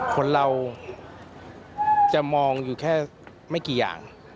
คนเราจะมองอยู่แค่ไม่กี่อย่าง